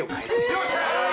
◆よっしゃ！